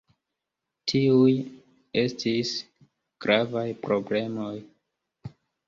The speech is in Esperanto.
Tiuj estis gravaj problemoj.